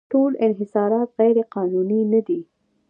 ټول انحصارات غیرقانوني نه دي.